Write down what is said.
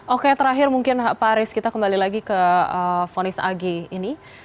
oke terakhir mungkin pak aris kita kembali lagi ke fonis ag ini